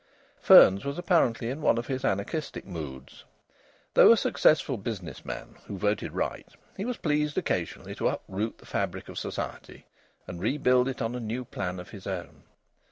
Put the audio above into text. Fearns was apparently in one of his anarchistic moods. Though a successful business man who voted right, he was pleased occasionally to uproot the fabric of society and rebuild it on a new plan of his own.